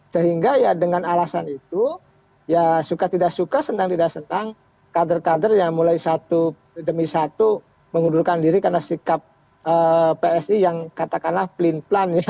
sehingga ya dengan alasan itu ya suka tidak suka senang tidak senang kader kader yang mulai satu demi satu mengundurkan diri karena sikap psi yang katakanlah pelin pelan ya